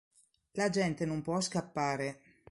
La gente non può scappare!